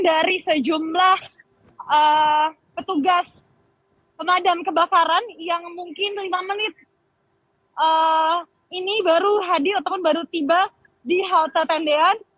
dari sejumlah petugas pemadam kebakaran yang mungkin lima menit ini baru hadir ataupun baru tiba di halte tendean